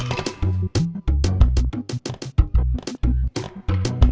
ketemu di pasar